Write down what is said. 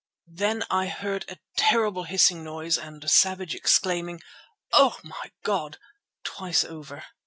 Then I heard a terrible hissing noise and Savage exclaiming: 'Oh! my God!' twice over.